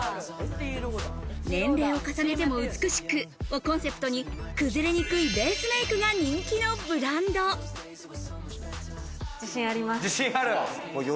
年齢を重ねても美しくをコンセプトに崩れにくいベースメイクが人自信あります。